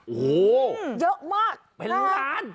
โอ้โหเยอะมากเป็นล้าน